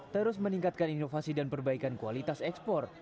terus meningkatkan inovasi dan perbaikan kualitas ekspor